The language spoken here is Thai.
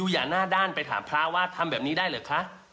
อย่าหน้าด้านไปถามพระว่าทำแบบนี้ได้เหรอคะ